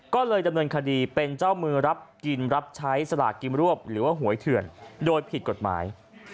ก็เลยดำเนินคดีเป็นเจ้ามือรับกินรับใช้สลากกินรวบหรือว่าหวยเถื่อนโดยผิดกฎหมาย